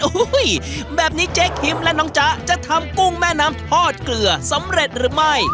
โอ้โหแบบนี้เจ๊คิมและน้องจ๊ะจะทำกุ้งแม่น้ำทอดเกลือสำเร็จหรือไม่